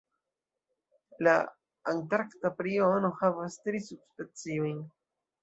La Antarkta priono havas tri subspeciojn.